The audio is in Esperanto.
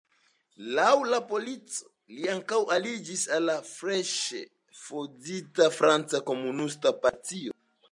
Laŭ la polico, li ankaŭ aliĝis al la freŝe fondita Franca Komunista Partio.